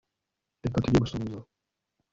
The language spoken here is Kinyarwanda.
reka tujye gusuhuza